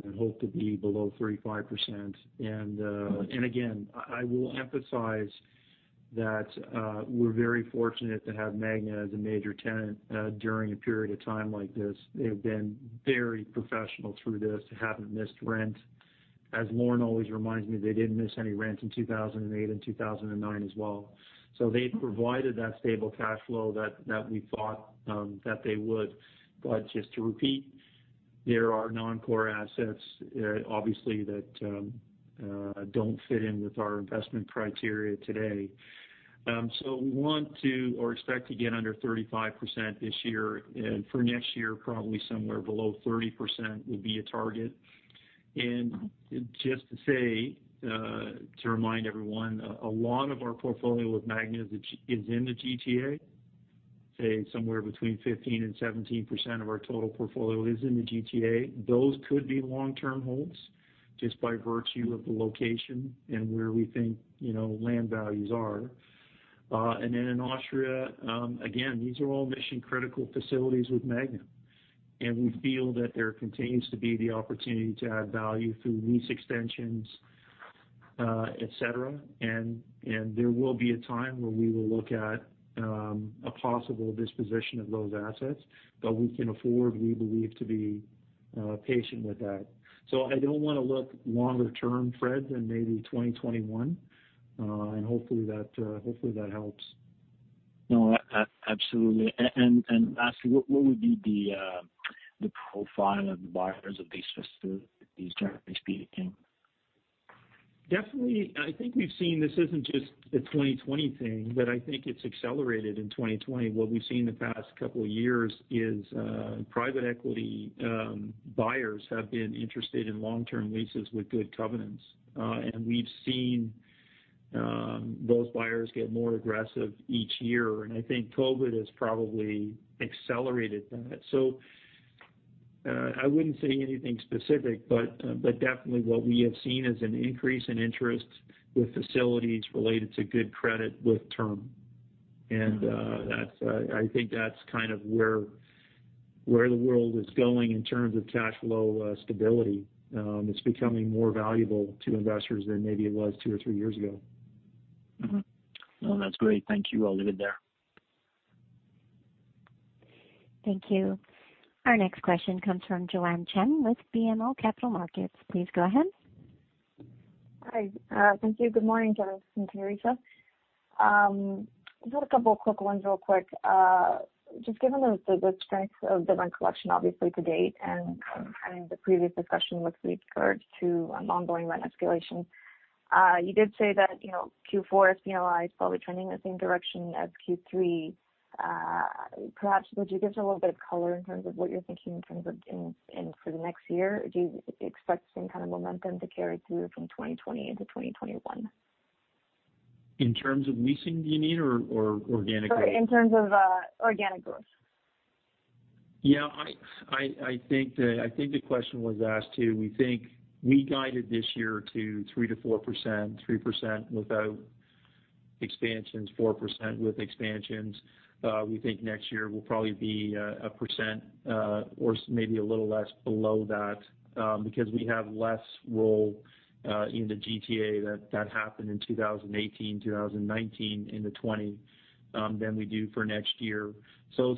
S2: and hope to be below 35%. And again, I will emphasize that we're very fortunate to have Magna as a major tenant during a period of time like this. They've been very professional through this. They haven't missed rent. As Lorne always reminds me, they didn't miss any rent in 2008 and 2009 as well. They provided that stable cash flow that we thought that they would. Just to repeat, they are non-core assets obviously that don't fit in with our investment criteria today. We want to or expect to get under 35% this year. For next year, probably somewhere below 30% would be a target. Just to say, to remind everyone, a lot of our portfolio with Magna is in the GTA. Say, somewhere between 15% and 17% of our total portfolio is in the GTA. Those could be long-term holds just by virtue of the location and where we think, you know, land values are. Then in Austria, again, these are all mission-critical facilities with Magna. And we feel that there continues to be the opportunity to add value through lease extensions, et cetera. There will be a time where we will look at a possible disposition of those assets. We can afford, we believe, to be patient with that. I don't want to look longer term, Fred, than maybe 2021. Hopefully, that helps.
S8: No, absolutely. Lastly, what would be the profile of the buyers of? [inaudible]
S2: Definitely, I think we've seen this isn't just a 2020 thing, but I think it's accelerated in 2020. What we've seen in the past couple of years is private equity buyers have been interested in long-term leases with good covenants. We've seen those buyers get more aggressive each year, and I think COVID has probably accelerated that. I wouldn't say anything specific, but definitely what we have seen is an increase in interest with facilities related to good credit with term. I think that's kind of where the world is going in terms of cash flow stability. It's becoming more valuable to investors than maybe it was two or three years ago.
S8: No, that's great. Thank you. I'll leave it there.
S1: Thank you. Our next question comes from Joanne Chen with BMO Capital Markets. Please go ahead.
S9: Hi. Thank you. Good morning, Kevan and Teresa. Just had a couple of quick ones real quick. Just given the strength of the rent collection obviously to date and the previous discussion with regards to ongoing rent escalation, you did say that, you know, Q4 is probably trending the same direction as Q3. Perhaps would you give us a little bit of color in terms of what you're thinking in terms of for the next year? Do you expect the same kind of momentum to carry through from 2020 into 2021?
S2: In terms of leasing, do you mean, or organic growth?
S9: Sorry, in terms of organic growth.
S2: Yeah, I think the question was asked too. We think we guided this year to 3%-4%, 3% without expansions, 4% with expansions. We think next year will probably be a percent or maybe a little less below that because we have less roll in the GTA that happened in 2018, 2019, into 2020 than we do for next year.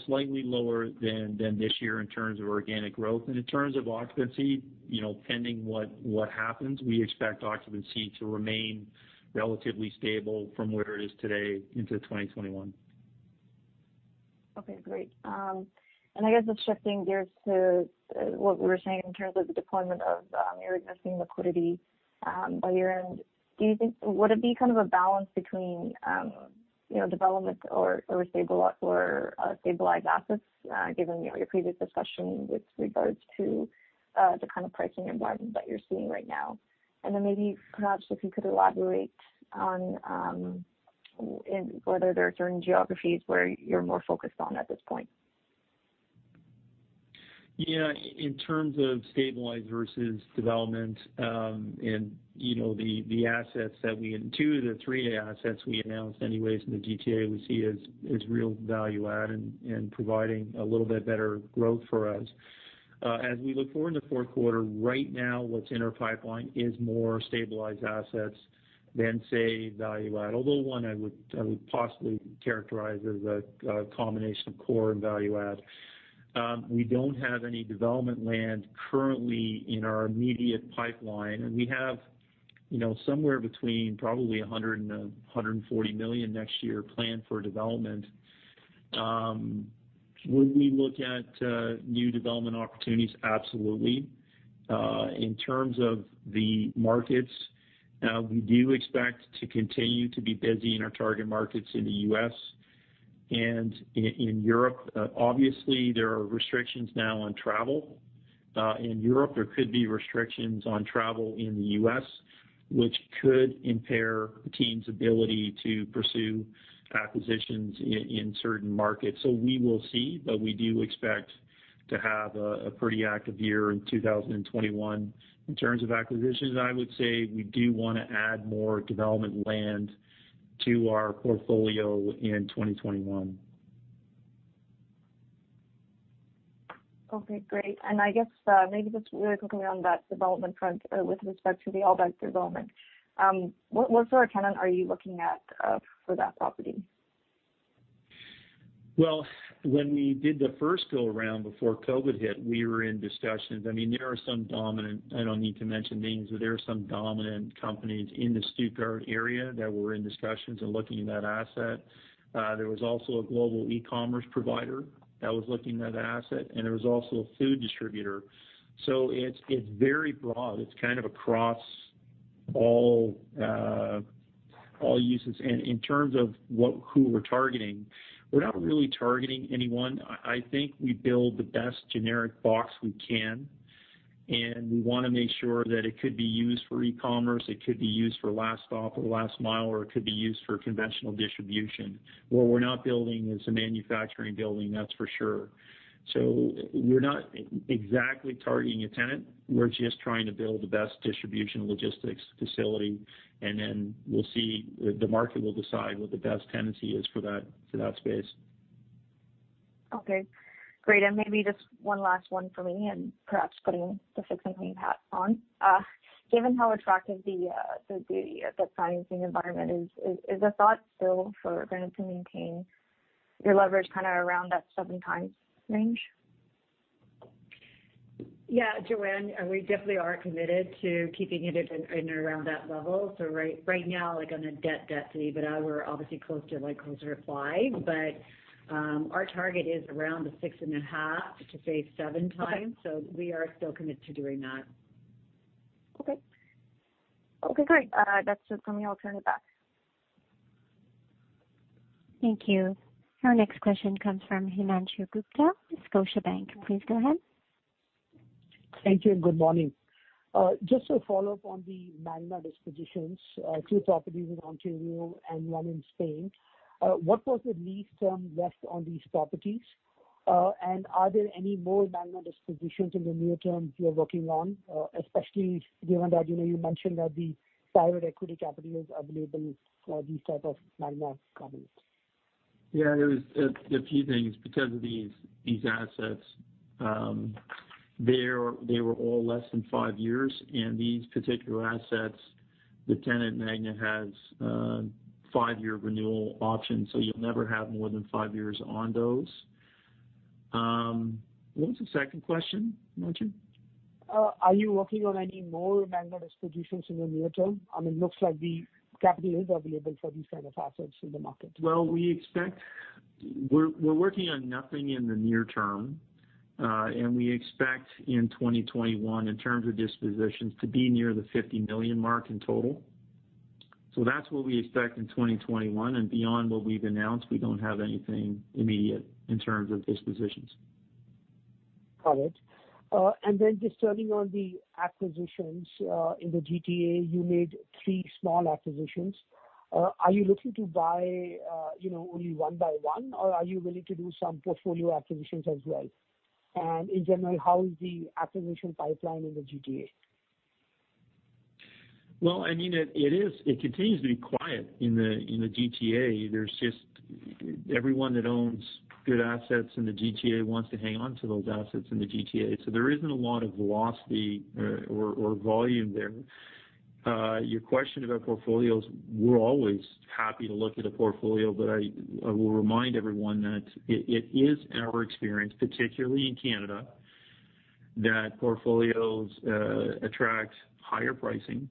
S2: Slightly lower than this year in terms of organic growth. In terms of occupancy, you know, pending what happens, we expect occupancy to remain relatively stable from where it is today into 2021.
S9: Okay, great. I guess just shifting gears to what we were saying in terms of the deployment of your existing liquidity on your end, would it be kind of a balance between you know, development or stabilized assets given your previous discussion with regards to the kind of pricing environment that you're seeing right now? Maybe perhaps if you could elaborate on whether there are certain geographies where you're more focused on at this point.
S2: In terms of stabilized versus development, you know, the three assets we announced anyways in the GTA we see as real value add and providing a little bit better growth for us. As we look forward to the fourth quarter, right now what's in our pipeline is more stabilized assets than, say, value add, although one I would possibly characterize as a combination of core and value add. We don't have any development land currently in our immediate pipeline, and we have, you know, somewhere between probably 100 million-140 million next year planned for development. Would we look at new development opportunities? Absolutely. In terms of the markets, we do expect to continue to be busy in our target markets in the U.S. and in Europe. Obviously, there are restrictions now on travel in Europe. There could be restrictions on travel in the U.S., which could impair the team's ability to pursue acquisitions in certain markets. We will see, but we do expect to have a pretty active year in 2021 in terms of acquisitions. I would say we do want to add more development land to our portfolio in 2021.
S9: Okay, great. I guess maybe just really quickly on that development front, with respect to the Altbach development. What sort of tenant are you looking at for that property?
S2: Well, when we did the first go around before COVID hit, we were in discussions. There are some dominant, I don't need to mention names, but there are some dominant companies in the Stuttgart area that were in discussions and looking at that asset. There was also a global e-commerce provider that was looking at that asset, and there was also a food distributor. It's very broad. It's kind of across all uses. In terms of who we're targeting, we're not really targeting anyone. I think we build the best generic box we can, and we want to make sure that it could be used for e-commerce, it could be used for last stop or last mile, or it could be used for conventional distribution. What we're not building is a manufacturing building, that's for sure. We're not exactly targeting a tenant. We're just trying to build the best distribution logistics facility, and then we'll see. The market will decide what the best tenancy is for that space.
S9: Okay, great. Maybe just one last one for me, and perhaps putting the fix [inaudible] hat on. Given how attractive the financing environment is the thought still for Granite to maintain your leverage around that seven times range?
S3: Yeah, Joanne, we definitely are committed to keeping it in and around that level. Right now, on a debt to EBITDA, we're obviously closer to five, but our target is around the 6.5x to say 7x. We are still committed to doing that.
S9: Okay, great. That's it from me. I'll turn it back.
S1: Thank you. Our next question comes from Himanshu Gupta, Scotiabank. Please go ahead.
S10: Thank you, and good morning. Just a follow-up on the Magna dispositions, two properties in Ontario and one in Spain. What was the lease term left on these properties? Are there any more Magna dispositions in the near term you're working on, especially given that you mentioned that the private equity capital is available for these type of Magna properties?
S2: There's a few things because of these assets. They were all less than five years, and these particular assets, the tenant, Magna, has a five-year renewal option, so you'll never have more than five years on those. What was the second question, Himanshu?
S10: Are you working on any more Magna dispositions in the near term? I mean, looks like the capital is available for these kind of assets in the market.
S2: Well, we're working on nothing in the near term. We expect in 2021, in terms of dispositions, to be near the 50 million mark in total. That's what we expect in 2021, and beyond what we've announced, we don't have anything immediate in terms of dispositions.
S10: Got it. And then, just turning on the acquisitions. In the GTA, you made three small acquisitions. Are you looking to buy, you know, only one by one or are you willing to do some portfolio acquisitions as well? In general, how is the acquisition pipeline in the GTA?
S2: Well, it continues to be quiet in the GTA. There's just everyone that owns good assets in the GTA wants to hang on to those assets in the GTA. There isn't a lot of velocity or volume there. Your question about portfolios, we're always happy to look at a portfolio, but I will remind everyone that it is our experience, particularly in Canada, that portfolios attract higher pricing.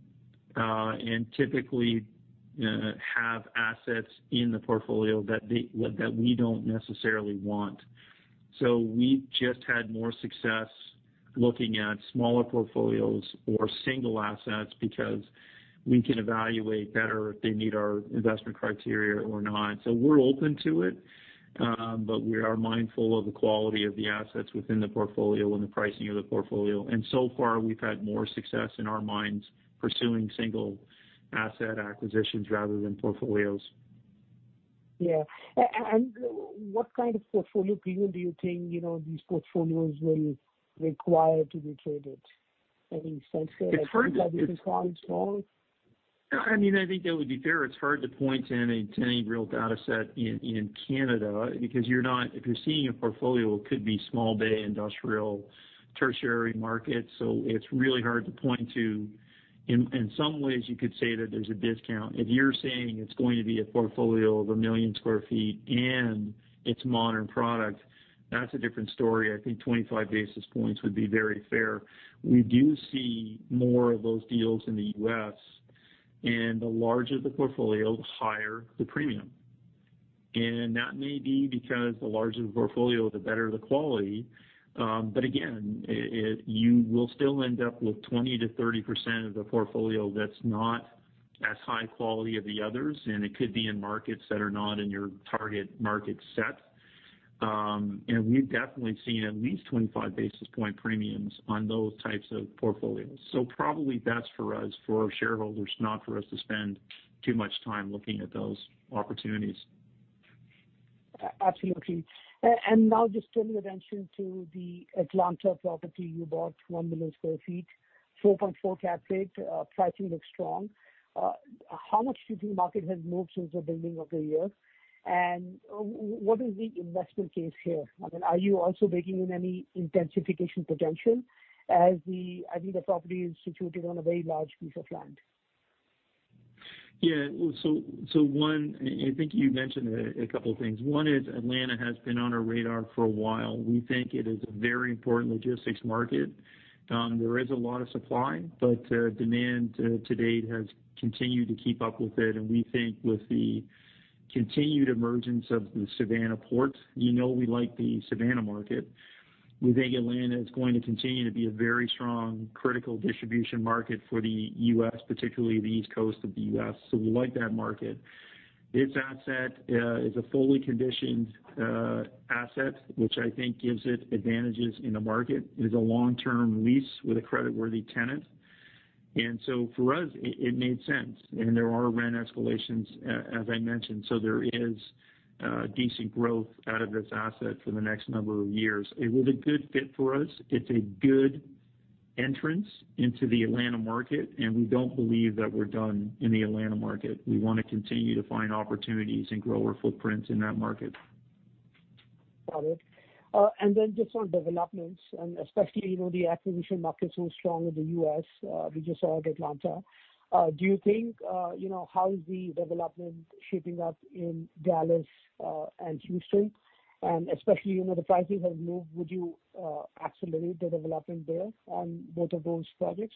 S2: Typically have assets in the portfolio that we don't necessarily want. We've just had more success looking at smaller portfolios or single assets because we can evaluate better if they meet our investment criteria or not. We're open to it, but we are mindful of the quality of the assets within the portfolio and the pricing of the portfolio. So far, we've had more success, in our minds, pursuing single asset acquisitions rather than portfolios.
S10: Yeah. What kind of portfolio premium do you think, you know, these portfolios will require to be traded in a sense that—
S2: It's hard to.
S10: like the value is quite strong?
S2: I think it would be fair. It's hard to point to any real data set in Canada because if you're seeing a portfolio, it could be small bay, industrial, tertiary market, so it's really hard to point to. In some ways, you could say that there's a discount. If you're saying it's going to be a portfolio of 1 million square feet and it's modern product, that's a different story. I think 25 basis points would be very fair. We do see more of those deals in the U.S., and the larger the portfolio, the higher the premium. That may be because the larger the portfolio, the better the quality. Again, you will still end up with 20%-30% of the portfolio that's not as high quality of the others, and it could be in markets that are not in your target market set. We've definitely seen at least 25 basis point premiums on those types of portfolios. Probably best for us, for our shareholders, not for us to spend too much time looking at those opportunities.
S10: Absolutely. Now just turn your attention to the Atlanta property you bought, 1 million square feet, 4.4% cap rate. Pricing looks strong. How much do you think the market has moved since the beginning of the year? And what is the investment case here? I mean, are you also baking in any intensification potential as the property is situated on a very large piece of land?
S2: Yeah. One, I think you mentioned a couple of things. One is Atlanta has been on our radar for a while. We think it is a very important logistics market. There is a lot of supply, but demand to date has continued to keep up with it, and we think with the continued emergence of the Savannah ports, you know we like the Savannah market. We think Atlanta land is going to continue to be a very strong critical distribution market for the U.S., particularly the East Coast of the U.S.. We like that market. This asset is a fully conditioned asset, which I think gives it advantages in the market. It is a long-term lease with a creditworthy tenant. For us, it made sense. There are rent escalations, as I mentioned. There is decent growth out of this asset for the next number of years. It was a good fit for us. It's a good entrance into the Atlanta market, and we don't believe that we're done in the Atlanta market. We want to continue to find opportunities and grow our footprint in that market.
S10: Got it. Then just on developments, especially, the acquisition market so strong in the U.S., we just saw Atlanta. How is the development shaping up in Dallas and Houston? Especially, the pricing has moved, would you accelerate the development there on both of those projects?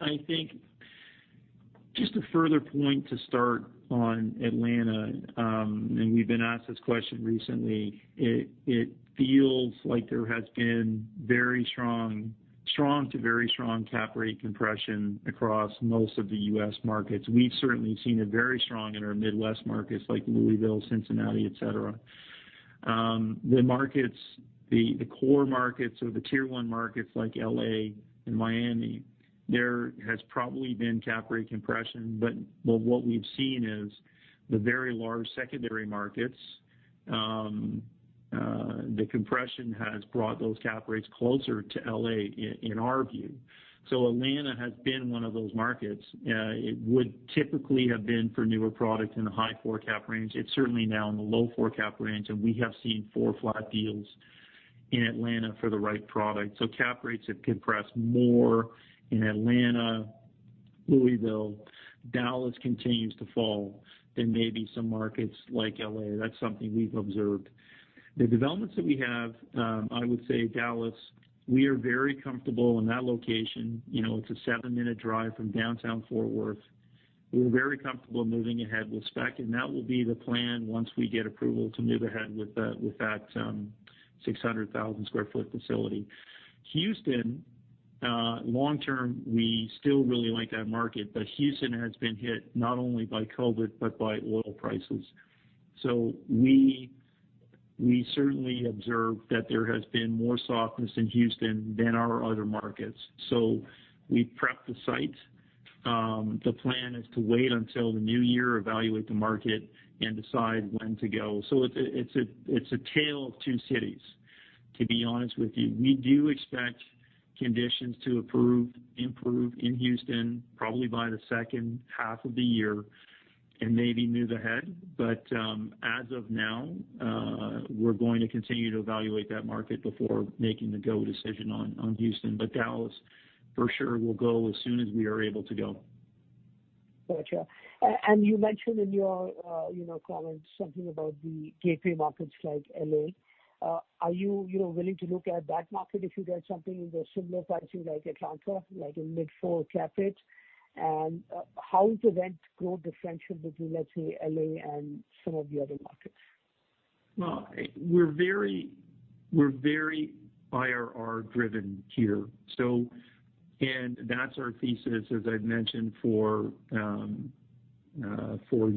S2: I think just a further point to start on Atlanta, we've been asked this question recently. It feels like there has been strong to very strong cap rate compression across most of the U.S. markets. We've certainly seen it very strong in our Midwest markets like Louisville, Cincinnati, et cetera. The core markets or the tier 1 markets like L.A. and Miami, there has probably been cap rate compression, but what we've seen is the very large secondary markets, the compression has brought those cap rates closer to L.A. in our view. Atlanta has been one of those markets. It would typically have been for newer product in the high 4% cap range. It's certainly now in the low 4% cap range, and we have seen 4% flat deals in Atlanta for the right product. Cap rates have compressed more in Atlanta, Louisville. Dallas continues to fall than maybe some markets like L.A. That's something we've observed. The developments that we have, I would say Dallas, we are very comfortable in that location. You know, it's a seven-minute drive from downtown Fort Worth. We're very comfortable moving ahead with spec, that will be the plan once we get approval to move ahead with that 600,000 sq ft facility. Houston, long-term, we still really like that market, Houston has been hit not only by COVID but by oil prices. We certainly observe that there has been more softness in Houston than our other markets. We prep the site. The plan is to wait until the new year, evaluate the market, and decide when to go. It's a tale of two cities, to be honest with you. We do expect conditions to improve in Houston probably by the second half of the year and maybe move ahead. As of now, we're going to continue to evaluate that market before making the go decision on Houston. Dallas, for sure, we'll go as soon as we are able to go.
S10: Got you. You mentioned in your comments something about the gateway markets like L.A. Are you willing to look at that market if you get something in the similar pricing like Atlanta, like in mid four cap rates? How does rent growth differential between, let's say, L.A. and some of the other markets?
S2: We're very IRR driven here. That's our thesis, as I've mentioned, for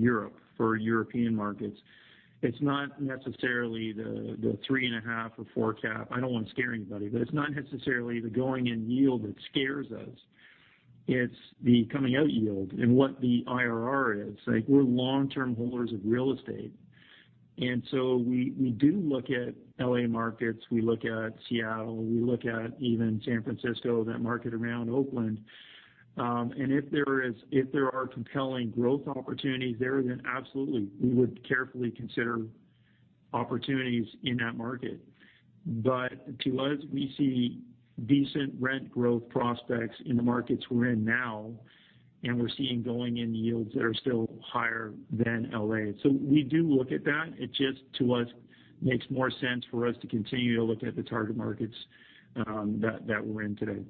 S2: European markets. It's not necessarily the 3.5% or 4% cap. I don't want to scare anybody, but it's not necessarily the going-in yield that scares us. It's the coming out yield and what the IRR is. We're long-term holders of real estate, we do look at L.A. markets, we look at Seattle, we look at even San Francisco, that market around Oakland. If there are compelling growth opportunities there, then absolutely, we would carefully consider opportunities in that market. To us, we see decent rent growth prospects in the markets we're in now, and we're seeing going in yields that are still higher than L.A. We do look at that. It just, to us, makes more sense for us to continue to look at the target markets that we're in today.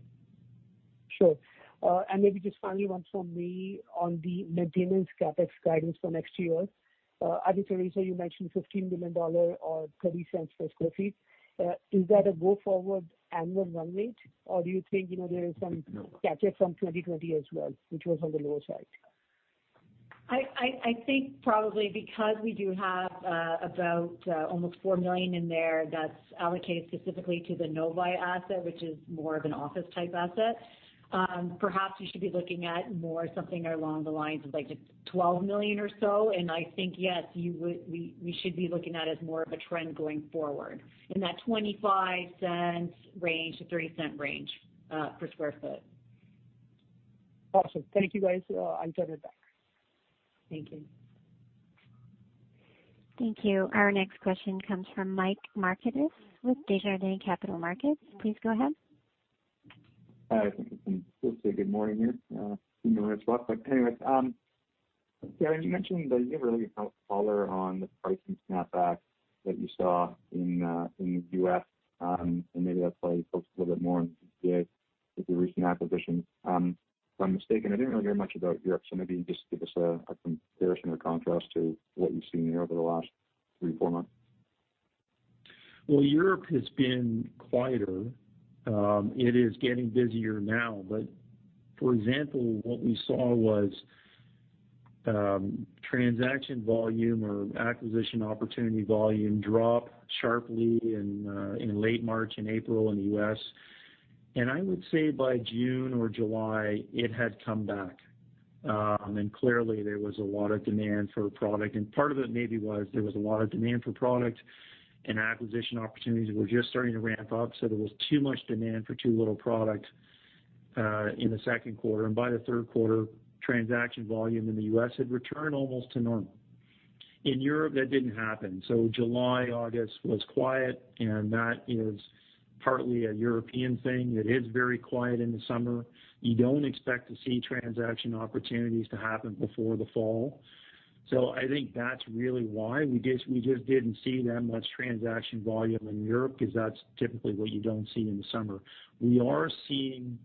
S10: Sure. Maybe just finally one from me on the maintenance CapEx guidance for next year. I think, Teresa, you mentioned 15 million dollar or 0.30 per sq ft. Is that a go forward annual run rate, or do you think there is some catch up from 2020 as well, which was on the lower side?
S3: I think probably because we do have about almost 4 million in there that's allocated specifically to the Novi asset, which is more of an office type asset. Perhaps you should be looking at more something along the lines of 12 million or so. I think, yes, we should be looking at as more of a trend going forward in that 0.25 range to 0.30 range per square foot.
S10: Awesome. Thank you, guys. I'm turning it back.
S3: Thank you.
S1: Thank you. Our next question comes from Mike Markidis with Desjardins Capital Markets. Please go ahead.
S11: Hi. I think we can still say good morning here, anyways. Kevan, you mentioned that you have a really helpful color on the pricing snap back that you saw in the U.S., and maybe I'd probably focus a little bit more on the [inaudible] with your recent acquisition. If I'm mistaken, I didn't know very much about Europe, so maybe just give us a comparison or contrast to what you've seen there over the last three, four months.
S2: Europe has been quieter. It is getting busier now, for example, what we saw was transaction volume or acquisition opportunity volume drop sharply in late March and April in the U.S.. And I would say by June or July, it had come back. Clearly, there was a lot of demand for the product, and part of it maybe was there was a lot of demand for product and acquisition opportunities were just starting to ramp up. There was too much demand for too little product in the second quarter. By the third quarter, transaction volume in the U.S. had returned almost to normal. In Europe, that didn't happen. July, August was quiet, and that is partly a European thing. It is very quiet in the summer. You don't expect to see transaction opportunities to happen before the fall. I think that's really why we just didn't see that much transaction volume in Europe, because that's typically what you don't see in the summer. We are seeing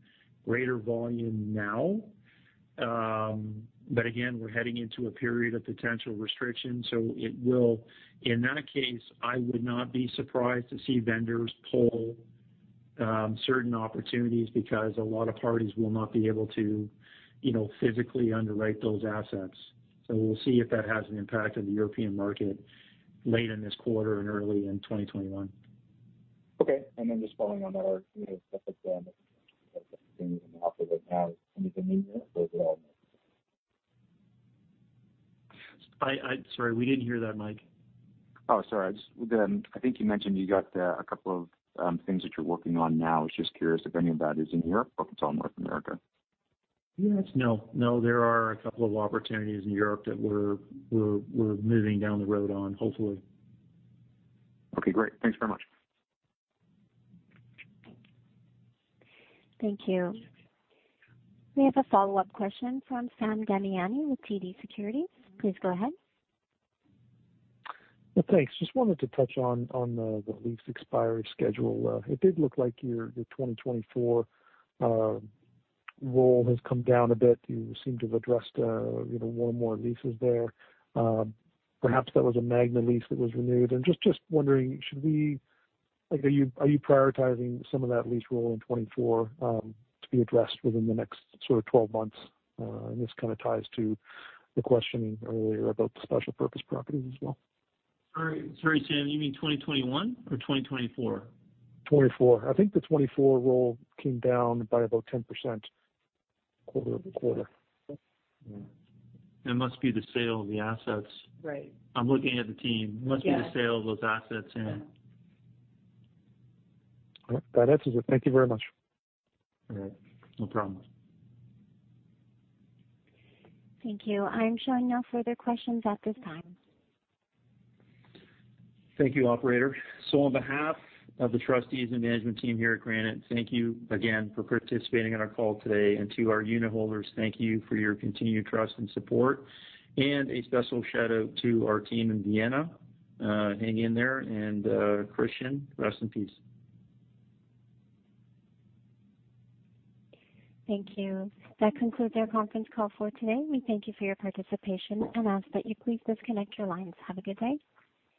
S2: greater volume now. Again, we're heading into a period of potential restriction, so in that case, I would not be surprised to see vendors pull certain opportunities because a lot of parties will not be able to physically underwrite those assets. We'll see if that has an impact on the European market late in this quarter and early in 2021.
S11: Okay, just following on that [audio ditortion]?
S2: Sorry, we didn't hear that, Mike.
S11: Sorry. I think you mentioned you got a couple of things that you're working on now. I was just curious if any of that is in Europe or if it's all North America.
S2: No. There are a couple of opportunities in Europe that we're moving down the road on hopefully.
S11: Okay, great. Thanks very much.
S1: Thank you. We have a follow-up question from Sam Damiani with TD Securities. Please go ahead.
S5: Thanks. Just wanted to touch on the lease expiry schedule. It did look like your 2024 roll has come down a bit. You seem to have addressed one or more leases there. Perhaps that was a Magna lease that was renewed. Just wondering, are you prioritizing some of that lease roll in 2024 to be addressed within the next sort of 12 months? This kind of ties to the questioning earlier about the special purpose properties as well.
S2: Sorry, Sam, you mean 2021 or 2024?
S5: 2024. I think the 2024 roll came down by about 10% quarter-over-quarter.
S2: It must be the sale of the assets.
S3: Right.
S2: I'm looking at the team.
S3: Yeah.
S2: It must be the sale of those assets, Sam.
S5: All right. That answers it. Thank you very much.
S2: All right. No problem.
S1: Thank you. I am showing no further questions at this time.
S2: Thank you operator. On behalf of the trustees and management team here at Granite, thank you again for participating on our call today. To our unit holders, thank you for your continued trust and support. A special shout-out to our team in Vienna. Hang in there, and Christian, rest in peace.
S1: Thank you. That concludes our conference call for today. We thank you for your participation and ask that you please disconnect your lines. Have a good day.